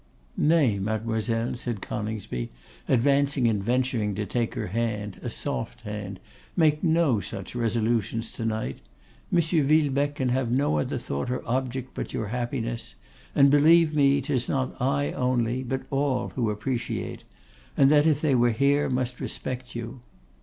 'Nay, Mademoiselle,' said Coningsby, advancing and venturing to take her hand, a soft hand, 'make no such resolutions to night. M. Villebecque can have no other thought or object but your happiness; and, believe me, 'tis not I only, but all, who appreciate, and, if they were here, must respect you.